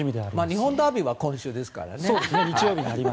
日本ダービーは今週ですからね。